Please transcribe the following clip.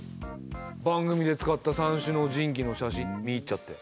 番組で使った「三種の神器」の写真見入っちゃって。